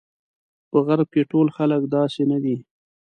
په غرب کې ټول خلک داسې نه دي.